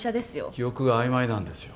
記憶があいまいなんですよ